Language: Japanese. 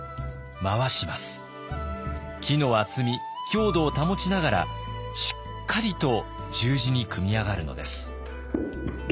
木の厚み強度を保ちながらしっかりと十字に組み上がるのです。